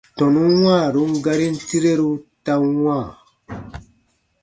Tɔnun wãarun garin tireru ta wãa.